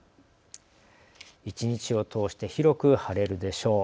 一日を通して広く晴れるでしょう。